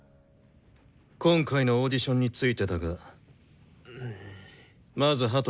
今回のオーディションについてだがまず羽鳥。